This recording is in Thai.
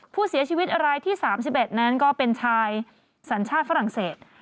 ผู้เสียชีวิตรายที่๓๑นั้นก็เป็นชายสัญชาติฝรั่งเศส